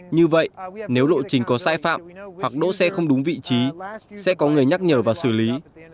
như vậy nếu lộ trình có sai phạm hoặc đỗ xe không đúng vị trí sẽ có người nhắc nhở và xử lý